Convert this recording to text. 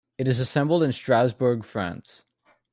It is assembled in Strasbourg, France.